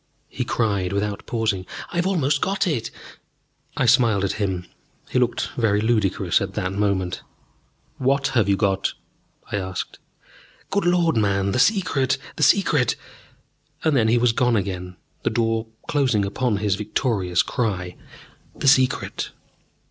he cried, without pausing, "I've almost got it!" I smiled at him: he looked very ludicrous at that moment. "What have you got?" I asked. "Good Lord, man, the Secret the Secret!" And then he was gone again, the door closing upon his victorious cry, "The Secret!"